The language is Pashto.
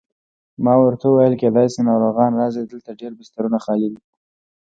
ما ورته وویل: کېدای شي ناروغان راشي، دلته ډېر بسترونه خالي دي.